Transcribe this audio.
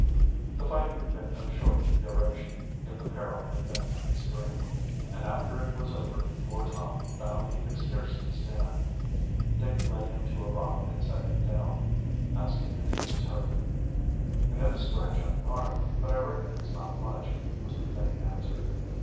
The fight had been of short duration, yet the peril had been extreme, and after it was over poor Tom found he could scarcely stand. Dick led him to a rock and set him down, asking him if he was hurt. "I got a scratch on the arm, but I reckon it's not much," was the faint answer.